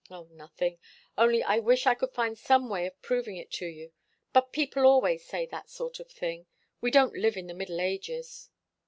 "Oh nothing. Only I wish I could find some way of proving it to you. But people always say that sort of thing. We don't live in the middle ages."